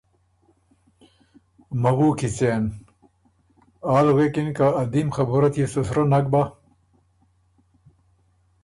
مَوُو کی څېن؟“ آل غوېکِن که ا دیم خبُره تيې سو سرۀ نک بۀ؟